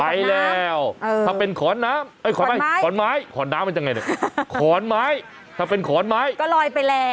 ไปแล้วถ้าเป็นขอนน้ำขอนไม้ถ้าเป็นขอนไม้ก็ลอยไปแล้ว